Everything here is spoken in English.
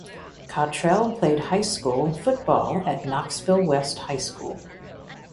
Cottrell played high school football at Knoxville West High School.